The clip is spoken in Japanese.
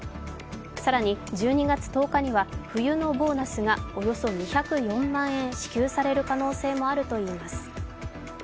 更に１２月１０日には冬のボーナスがおよそ２０４万円、支給される可能性もあるといいます。